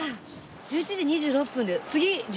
１１時２６分だよ。